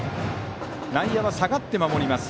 内野は下がって守ります。